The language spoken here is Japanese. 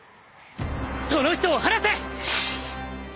その人を放せ！